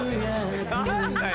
何だよ！